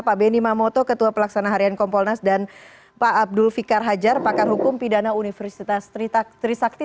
pak benny mamoto ketua pelaksana harian kompolnas dan pak abdul fikar hajar pakar hukum pidana universitas trisakti